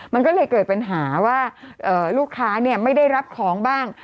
มันก็เลยเกิดปัญหาว่าลูกค้าไม่ได้รับของบ้าง